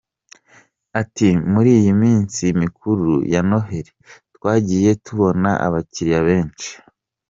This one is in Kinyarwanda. Ati “Muri iyi minsi mikuru ya Noheli twagiye tubona abakiriya benshi.